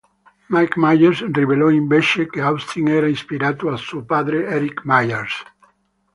Mike Myers rivelò, invece, che Austin era ispirato a suo padre Eric Myers.